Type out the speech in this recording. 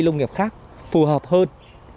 lông nghiệp khác phù hợp hơn